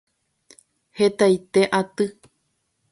hetaite atĩ